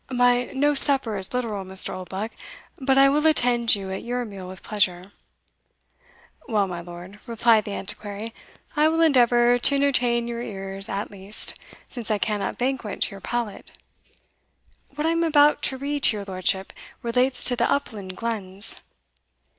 "My no supper is literal, Mr. Oldbuck; but I will attend you at your meal with pleasure." "Well, my lord," replied the Antiquary, "I will endeavour to entertain your ears at least, since I cannot banquet your palate. What I am about to read to your lordship relates to the upland glens."